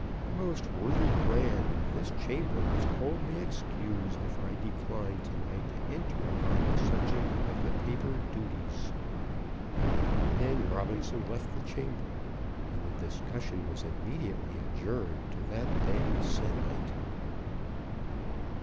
Most worthy Grand, this chamber must hold me excused if I decline to night to enter upon the subject of the paper duties." Then Robinson left the chamber, and the discussion was immediately adjourned to that day se'nnight.